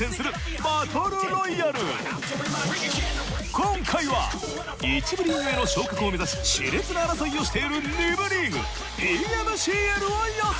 今回は１部リーグへの昇格を目指しし烈な争いをしている２部リーグＰＭＣＬを予想。